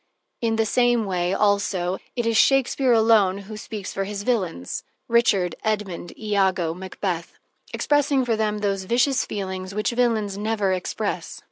In the same way, also, it is Shakespeare alone who speaks for his villains: Richard, Edmund, Iago, Macbeth, expressing for them those vicious feelings which villains never express.